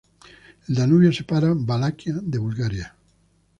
El Danubio separa Valaquia de Bulgaria.